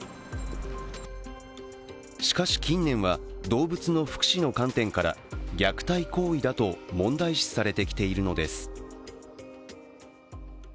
しかし、近年は動物の福祉の観点から虐待行為だと問題視されてきているのです。